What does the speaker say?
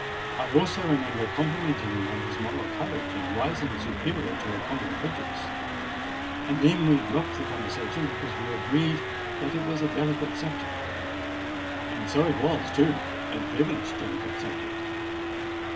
I also remember complimenting him on his moral courage in rising superior to a common prejudice; and then we dropped the conversation because we agreed that it was a delicate subject. And so it was, too: a devilish delicate subject!